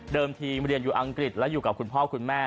ทีมเรียนอยู่อังกฤษและอยู่กับคุณพ่อคุณแม่